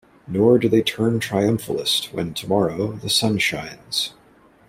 Nor do they turn triumphalist when, tomorrow, the sun shines.